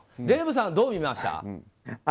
デーブさん、どう見ました？